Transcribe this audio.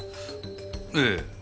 ええ。